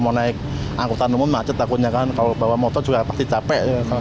mau naik angkutan umum macet takutnya kan kalau bawa motor juga pasti capek